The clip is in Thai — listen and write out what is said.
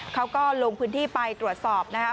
เขาก็ลงพื้นที่ไปตรวจสอบนะครับ